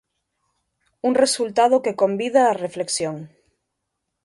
Un resultado que convida á reflexión.